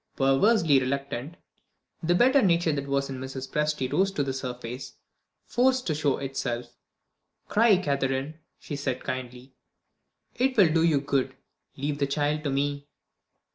Perversely reluctant, the better nature that was in Mrs. Presty rose to the surface, forced to show itself. "Cry, Catherine," she said kindly; "it will do you good. Leave the child to me."